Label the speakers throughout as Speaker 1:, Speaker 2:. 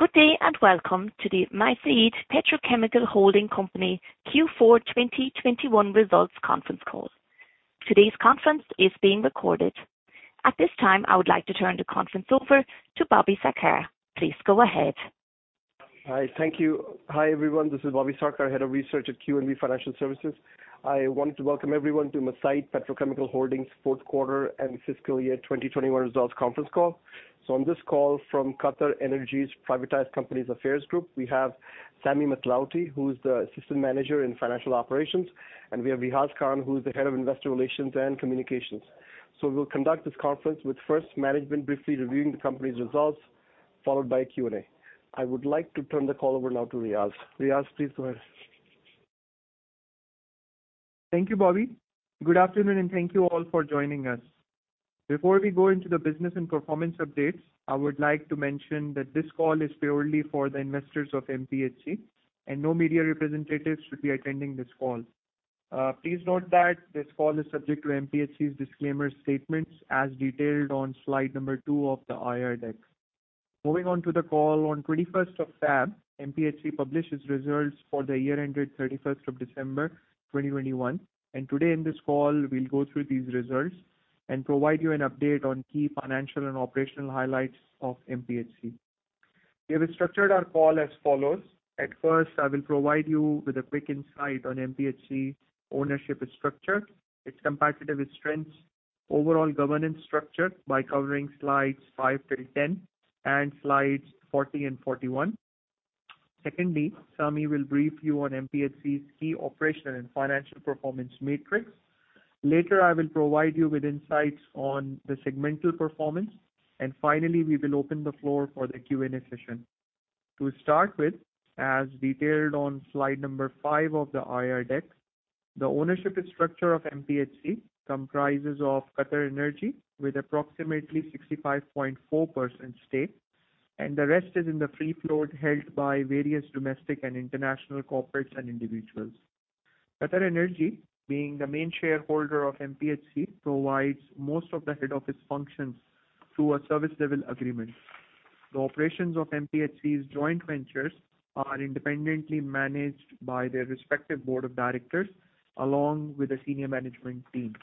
Speaker 1: Good day and welcome to the Mesaieed Petrochemical Holding Company Q4 2021 results conference call. Today's conference is being recorded. At this time, I would like to turn the conference over to Bobby Sarkar. Please go ahead.
Speaker 2: Hi. Thank you. Hi, everyone. This is Bobby Sarkar, Head of Research at QNB Financial Services. I want to welcome everyone to Mesaieed Petrochemical Holdings' fourth quarter and FY 2021 results conference call. On this call from QatarEnergy's Privatized Companies Affairs group, we have Sami Mathlouthi, who is the Assistant Manager, Financial Operations, and we have Riaz Khan, who is the Head of Investor Relations and Communications. We'll conduct this conference with first management briefly reviewing the company's results, followed by a Q&A. I would like to turn the call over now to Riaz. Riaz, please go ahead.
Speaker 3: Thank you, Bobby. Good afternoon, and thank you all for joining us. Before we go into the business and performance updates, I would like to mention that this call is purely for the investors of MPHC, and no media representatives should be attending this call. Please note that this call is subject to MPHC's disclaimer statements as detailed on slide number two of the IR deck. Moving on to the call on 21st of February, MPHC published its results for the year ended 31st of December 2021. Today in this call, we'll go through these results and provide you an update on key financial and operational highlights of MPHC. We have structured our call as follows. At first, I will provide you with a quick insight on MPHC ownership structure, its competitive strengths, overall governance structure by covering slides five till 10, and slides 40 and 41. Secondly, Sami will brief you on MPHC's key operational and financial performance matrix. Later, I will provide you with insights on the segmental performance. Finally, we will open the floor for the Q&A session. To start with, as detailed on slide number five of the IR deck, the ownership structure of MPHC comprises of QatarEnergy with approximately 65.4% stake, and the rest is in the free float held by various domestic and international corporates and individuals. QatarEnergy, being the main shareholder of MPHC, provides most of the head office functions through a service level agreement. The operations of MPHC's joint ventures are independently managed by their respective board of directors, along with a senior management team.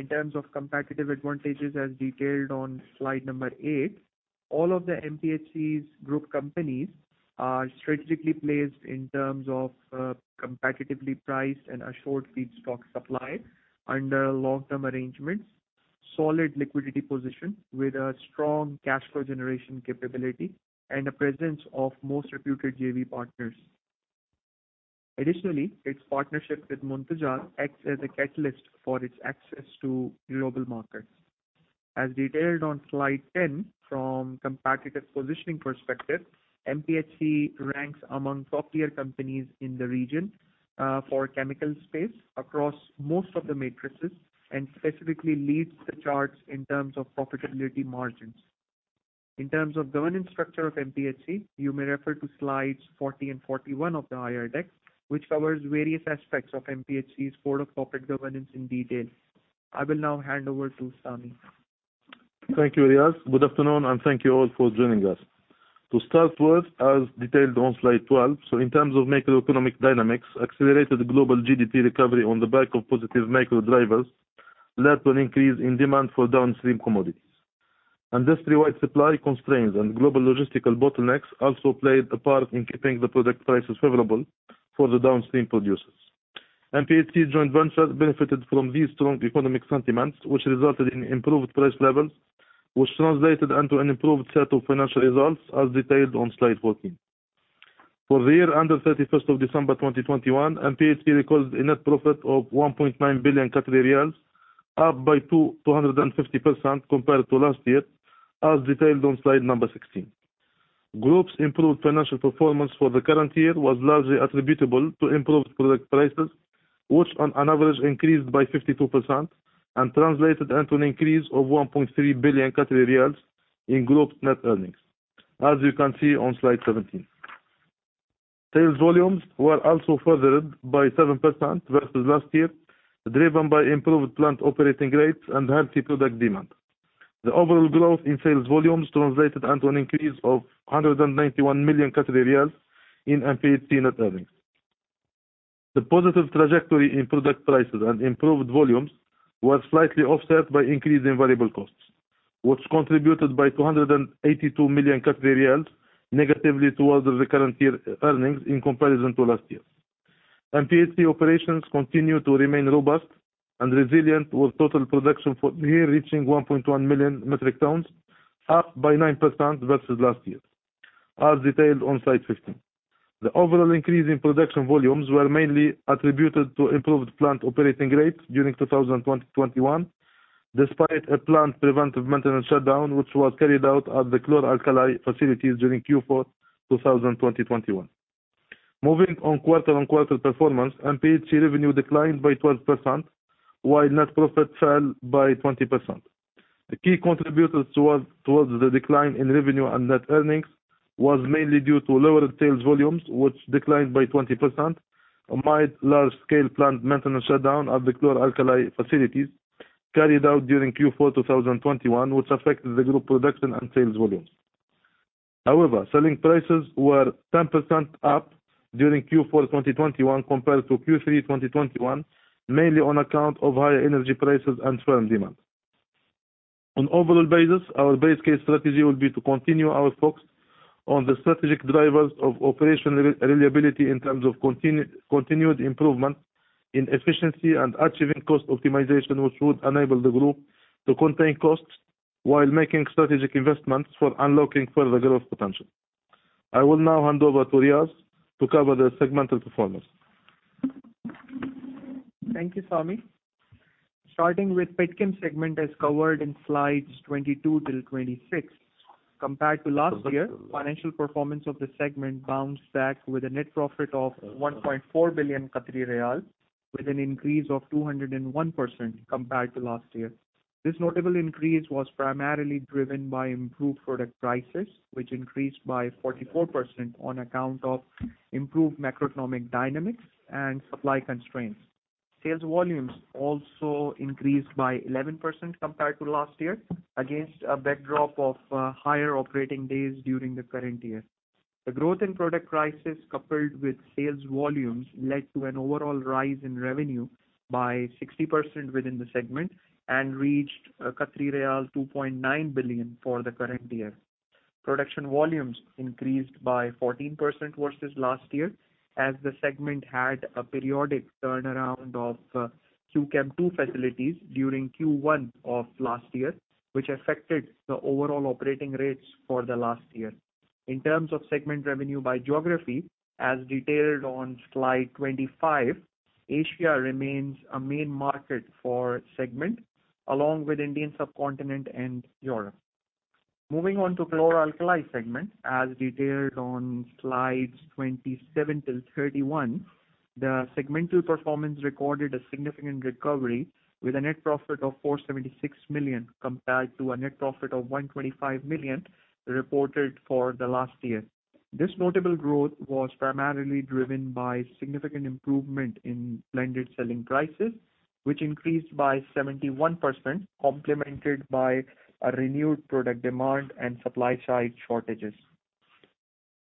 Speaker 3: In terms of competitive advantages as detailed on slide number eight, all of the MPHC's group companies are strategically placed in terms of competitively priced and assured feedstock supply under long-term arrangements, solid liquidity position with a strong cash flow generation capability, and a presence of most reputed JV partners. Additionally, its partnership with Muntajat acts as a catalyst for its access to global markets. As detailed on slide 10 from competitive positioning perspective, MPHC ranks among top-tier companies in the region, for chemical space across most of the matrices, and specifically leads the charts in terms of profitability margins. In terms of governance structure of MPHC, you may refer to slides 40 and 41 of the IR deck, which covers various aspects of MPHC's board of corporate governance in detail. I will now hand over to Sami.
Speaker 4: Thank you, Riaz. Good afternoon, and thank you all for joining us. To start with, as detailed on slide 12, in terms of macroeconomic dynamics, accelerated global GDP recovery on the back of positive macro drivers led to an increase in demand for downstream commodities. Industry-wide supply constraints and global logistical bottlenecks also played a part in keeping the product prices favorable for the downstream producers. MPHC joint ventures benefited from these strong economic sentiments, which resulted in improved price levels, which translated into an improved set of financial results as detailed on slide 14. For the year ended 31st of December 2021, MPHC records a net profit of 1.9 billion Qatari riyals, up by 250% compared to last year, as detailed on slide number 16. Group's improved financial performance for the current year was largely attributable to improved product prices, which on an average increased by 52% and translated into an increase of 1.3 billion Qatari riyals in group's net earnings, as you can see on slide 17. Sales volumes were also furthered by 7% versus last year, driven by improved plant operating rates and healthy product demand. The overall growth in sales volumes translated into an increase of 191 million Qatari riyals in MPHC net earnings. The positive trajectory in product prices and improved volumes was slightly offset by increase in variable costs, which contributed by 282 million Qatari riyals negatively towards the current year earnings in comparison to last year. MPHC operations continue to remain robust and resilient, with total production for the year reaching 1.1 million metric tons, up by 9% versus last year, as detailed on slide 15. The overall increase in production volumes were mainly attributed to improved plant operating rates during 2021, despite a plant preventive maintenance shutdown, which was carried out at the chlor-alkali facilities during Q4 2021. Moving on quarter-on-quarter performance, MPHC revenue declined by 12%, while net profit fell by 20%. The key contributors towards the decline in revenue and net earnings was mainly due to lower sales volumes, which declined by 20%, amid large-scale plant maintenance shutdown at the chlor-alkali facilities carried out during Q4 2021, which affected the group production and sales volumes. However, selling prices were 10% up during Q4 2021 compared to Q3 2021, mainly on account of higher energy prices and firm demand. On overall basis, our base case strategy will be to continue our focus on the strategic drivers of operational reliability in terms of continued improvement in efficiency and achieving cost optimization, which would enable the group to contain costs while making strategic investments for unlocking further growth potential. I will now hand over to Riaz to cover the segmental performance.
Speaker 3: Thank you, Sami. Starting with Petchem segment as covered in slides 22 till 26. Compared to last year, financial performance of the segment bounced back with a net profit of 1.4 billion Qatari riyal, with an increase of 201% compared to last year. This notable increase was primarily driven by improved product prices, which increased by 44% on account of improved macroeconomic dynamics and supply constraints. Sales volumes also increased by 11% compared to last year, against a backdrop of higher operating days during the current year. The growth in product prices, coupled with sales volumes, led to an overall rise in revenue by 60% within the segment and reached 2.9 billion for the current year. Production volumes increased by 14% versus last year, as the segment had a periodic turnaround of Q-Chem II facilities during Q1 of last year, which affected the overall operating rates for the last year. In terms of segment revenue by geography, as detailed on slide 25, Asia remains a main market for segment, along with Indian subcontinent and Europe. Moving on to Chlor-alkali segment, as detailed on slides 27 till 31, the segmental performance recorded a significant recovery with a net profit of 476 million, compared to a net profit of 125 million reported for the last year. This notable growth was primarily driven by significant improvement in blended selling prices, which increased by 71%, complemented by a renewed product demand and supply side shortages.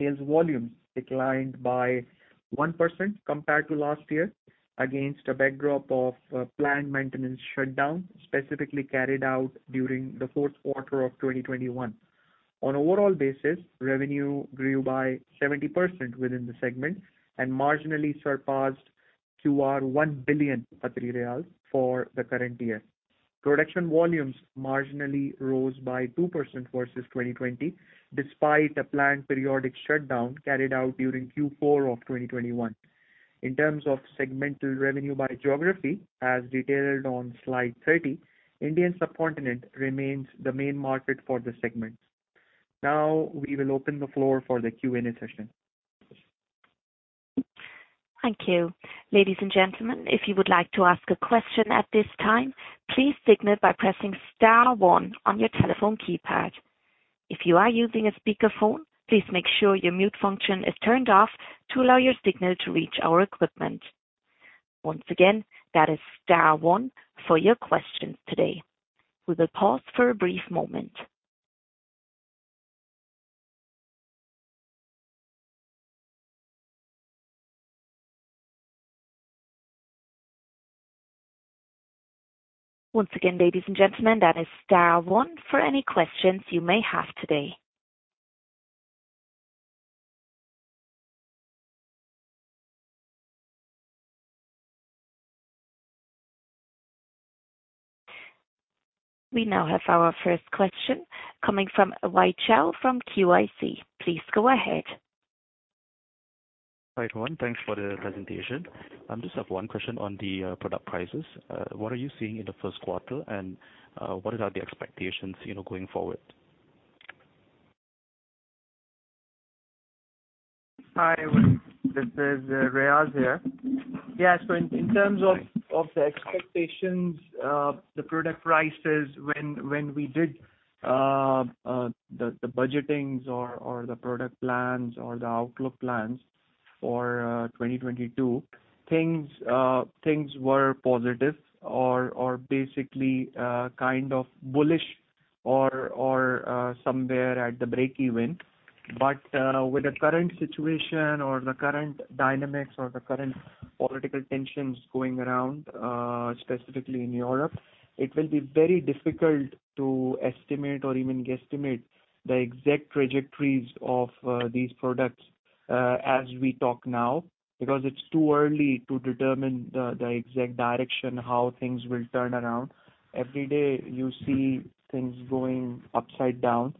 Speaker 3: Sales volumes declined by 1% compared to last year against a backdrop of planned maintenance shutdown, specifically carried out during the fourth quarter of 2021. On overall basis, revenue grew by 70% within the segment and marginally surpassed 1 billion for the current year. Production volumes marginally rose by 2% versus 2020, despite a planned periodic shutdown carried out during Q4 of 2021. In terms of segmental revenue by geography, as detailed on slide 30, Indian subcontinent remains the main market for the segment. We will open the floor for the Q&A session.
Speaker 1: Thank you. Ladies and gentlemen, if you would like to ask a question at this time, please signal by pressing star one on your telephone keypad. If you are using a speakerphone, please make sure your mute function is turned off to allow your signal to reach our equipment. Once again, that is star one for your questions today. We will pause for a brief moment. Once again, ladies and gentlemen, that is star one for any questions you may have today. We now have our first question coming from Wai Chow from QIC. Please go ahead.
Speaker 5: Hi, everyone. Thanks for the presentation. I just have one question on the product prices. What are you seeing in the first quarter, and what are the expectations going forward?
Speaker 3: Hi, Wai. This is Riaz here. Yes, in terms of the expectations, the product prices when we did the budgetings or the product plans or the outlook plans for 2022, things were positive or basically kind of bullish or somewhere at the break even. With the current situation or the current dynamics or the current political tensions going around, specifically in Europe, it will be very difficult to estimate or even guesstimate the exact trajectories of these products as we talk now, because it's too early to determine the exact direction, how things will turn around. Every day, you see things going upside down.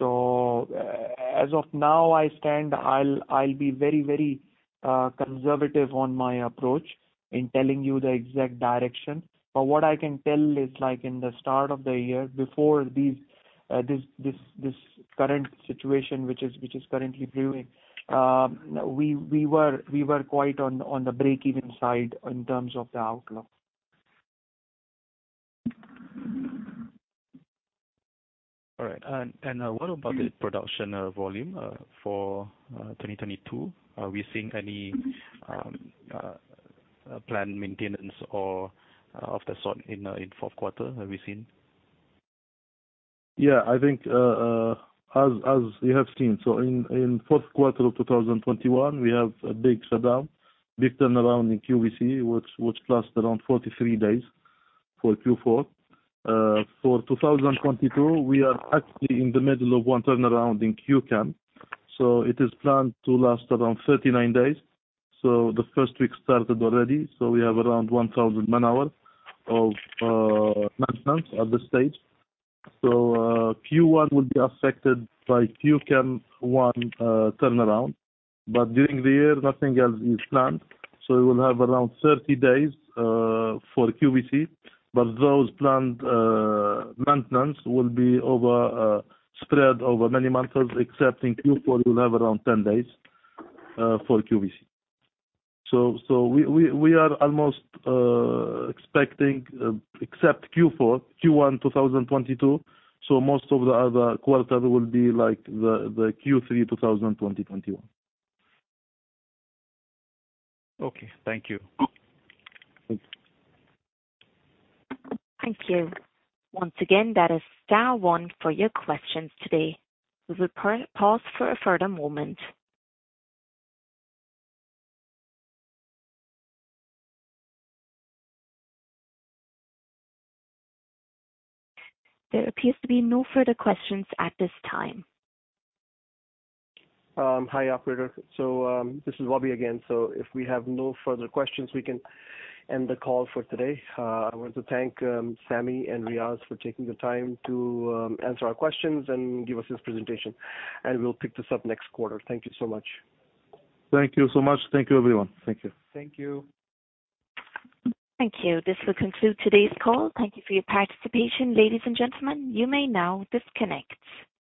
Speaker 3: As of now, I stand, I'll be very conservative on my approach in telling you the exact direction. What I can tell is like in the start of the year, before this current situation which is currently brewing, we were quite on the break even side in terms of the outlook.
Speaker 5: What about the production volume for 2022? Are we seeing any planned maintenance or of the sort in fourth quarter? Have we seen?
Speaker 4: I think as you have seen. In fourth quarter of 2021, we have a big shutdown, big turnaround in QVC, which lasted around 43 days for Q4. For 2022, we are actually in the middle of one turnaround in QCAN. It is planned to last around 39 days. The first week started already, we have around 1,000 man-hours of maintenance at this stage. Q1 will be affected by QCAN one turnaround. During the year, nothing else is planned, we will have around 30 days for QVC. Those planned maintenance will be spread over many months, except in Q4, you'll have around 10 days for QVC. We are almost expecting, except Q4, Q1 2022, most of the other quarters will be like the Q3 2020-2021.
Speaker 5: Okay. Thank you.
Speaker 1: Thank you. Once again, that is star one for your questions today. We will pause for a further moment. There appears to be no further questions at this time.
Speaker 2: Hi, operator. This is Bobby again. If we have no further questions, we can end the call for today. I want to thank Sami and Riaz for taking the time to answer our questions and give us this presentation. We'll pick this up next quarter. Thank you so much.
Speaker 4: Thank you so much. Thank you, everyone.
Speaker 5: Thank you.
Speaker 1: Thank you. This will conclude today's call. Thank you for your participation, ladies and gentlemen. You may now disconnect.